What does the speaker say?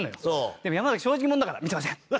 でも山崎正直者だから「見てません。